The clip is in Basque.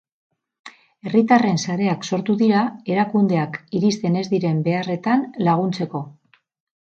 Herritarren sareak sortu dira erakundeak iristen ez diren beharretan laguntzeko.